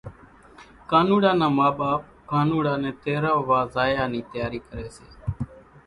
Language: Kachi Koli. ڪانوڙا نان ما ٻاپ ڪانوڙا نين تيرووا زايا نِي تياري ڪري سي